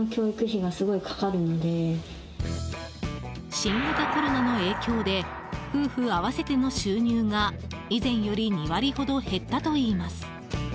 新型コロナの影響で夫婦合わせての収入が以前より２割ほど減ったといいます。